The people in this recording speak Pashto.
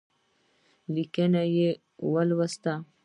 لیک یې ورته ولوست.